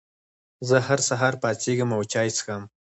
زه هر سهار پاڅېږم او چای څښم.